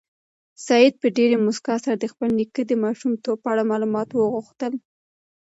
سعید په ډېرې موسکا سره د خپل نیکه د ماشومتوب په اړه معلومات وغوښتل.